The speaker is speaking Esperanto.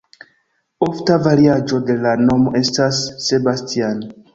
Ofta variaĵo de la nomo estas "Sebastian".